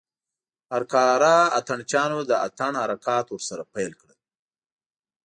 هر کاره اتڼ چيانو د اتڼ حرکات ورسره پيل کړل.